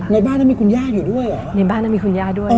ในบ้านนั้นมีคุณย่าอยู่ด้วยในบ้านนั้นมีคุณย่าด้วย